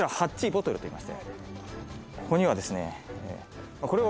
ここにはですね。